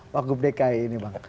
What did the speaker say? pak guptekai ini bang